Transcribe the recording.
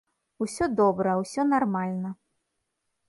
Усё добра, усё нармальна.